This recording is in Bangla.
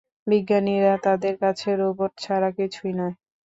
বিজ্ঞানীরা তাদের কাছে রোবট ছাড়া কিছুই নয়।